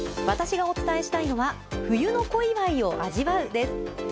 私がお伝えしたいのは冬の小岩井を味わうです。